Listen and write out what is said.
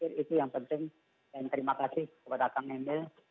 itu yang penting dan terima kasih kepada kang emil